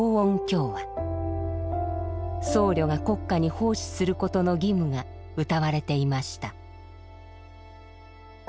僧侶が国家に奉仕することの義務がうたわれていました。